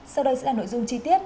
sau đây sẽ là nội dung chi tiết